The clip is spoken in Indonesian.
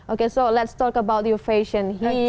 oke jadi mari kita bicara tentang pakaian anda disini